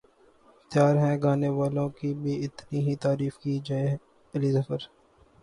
تیار ہیں گانے والوں کی بھی اتنی ہی تعریف کی جائے علی ظفر